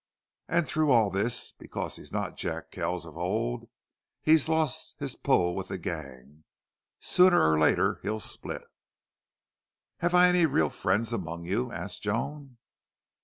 An' through all this, because he's not Jack Kells of old, he's lost his pull with the gang. Sooner or later he'll split." "Have I any real friends among you?" asked Joan.